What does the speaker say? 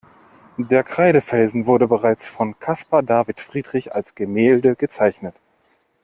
Der Kreidefelsen wurde bereits von Caspar David Friedrich als Gemälde gezeichnet.